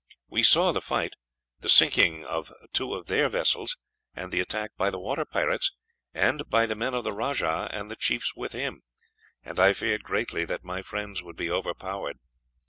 We saw the fight, the sinking of two of their vessels, and the attack by the water pirates, and by the men of the rajah and the chiefs with him, and I feared greatly that my friends would be overpowered.